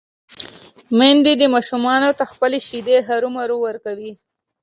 ميندې دې ماشومانو ته خپلې شېدې هرومرو ورکوي